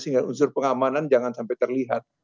sehingga unsur pengamanan jangan sampai terlihat